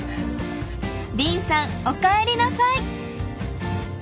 凜さんおかえりなさい！